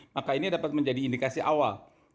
maka ini dapat menjadi indikasi awal